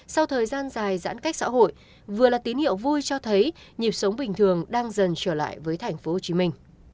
sau thời gian dài giãn cách xã hội vừa là tín hiệu vui cho thấy nhịp sống bình thường đang dần trở lại với thành phố hồ chí minh